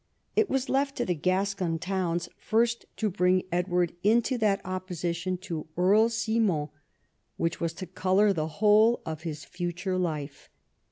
It was left to the Gascon towns first to bring Edward into that opposition to Karl Simon which Avas to colour the whole of his future life.